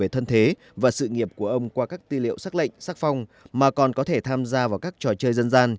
thân thế và sự nghiệp của ông qua các tư liệu xác lệnh xác phong mà còn có thể tham gia vào các trò chơi dân gian